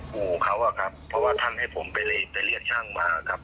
ขู่เขาอะครับเพราะว่าท่านให้ผมไปเรียกช่างมาครับ